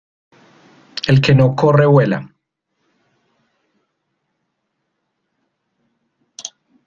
El que no corre vuela.